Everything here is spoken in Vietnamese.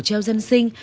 cầu dân sinh